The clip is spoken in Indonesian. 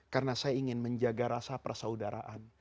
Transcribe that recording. karena saya ingin menjaga rasa persaudaraan